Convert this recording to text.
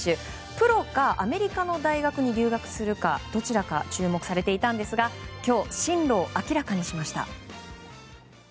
プロかアメリカの大学に留学するかでどちらか注目されていたんですが今日、進路を明らかにしました。